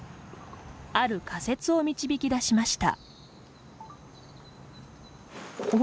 ある仮説を導き出しました。